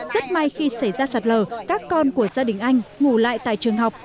rất may khi xảy ra sạt lở các con của gia đình anh ngủ lại tại trường học